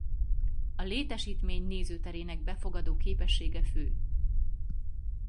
A létesítmény nézőterének befogadó képessége fő.